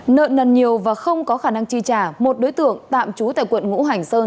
nợ nần nhiều và không có khả năng chi trả một đối tượng tạm trú tại quận ngũ hành sơn